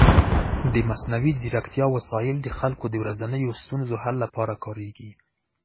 د مصنوعي ځیرکتیا وسایل د خلکو د ورځنیو ستونزو حل لپاره کارېږي.